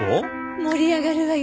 盛り上がるわよ！